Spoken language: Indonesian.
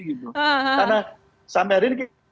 karena sampai hari ini kita tidak tahu